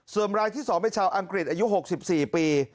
ส่วนรายที่๒เป็นชาวอังกฤษอายุ๖๔ปี